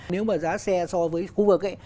nếu mà giá xe so với khu vực